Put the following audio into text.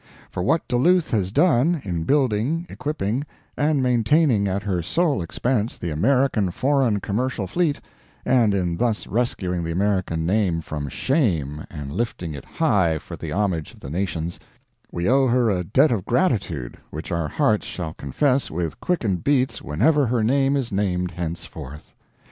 For what Duluth has done, in building, equipping, and maintaining at her sole expense the American Foreign Commercial Fleet, and in thus rescuing the American name from shame and lifting it high for the homage of the nations, we owe her a debt of gratitude which our hearts shall confess with quickened beats whenever her name is named henceforth.